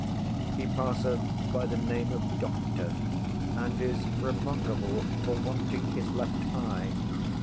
He passeth by the name of Doctor, and is remarkable for wanting his left eye.